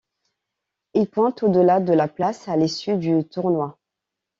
Il pointe au-delà de la place à l'issue du tournoi.